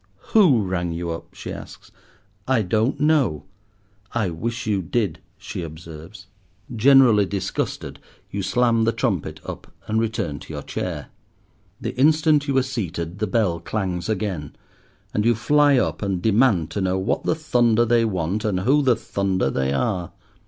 "Who rang you up?" she asks. "I don't know." "I wish you did," she observes. Generally disgusted, you slam the trumpet up and return to your chair. The instant you are seated the bell clangs again; and you fly up and demand to know what the thunder they want, and who the thunder they are.